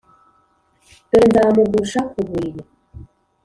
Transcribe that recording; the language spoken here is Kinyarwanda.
Dore nzamugusha ku buriri,